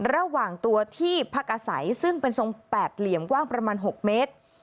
ระหว่างตัวที่พักอาศัยซึ่งเป็นทรงแปดเหลี่ยมกว้างประมาณ๖เมตร